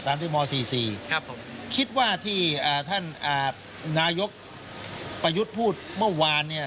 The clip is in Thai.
ตามที่มสี่สี่ครับผมคิดว่าที่ท่านนายกประยุทธ์พูดเมื่อวานเนี่ย